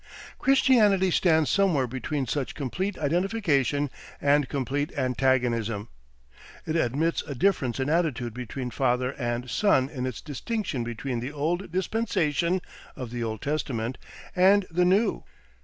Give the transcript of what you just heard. Christianity stands somewhere between such complete identification and complete antagonism. It admits a difference in attitude between Father and Son in its distinction between the Old Dispensation (of the Old Testament) and the New.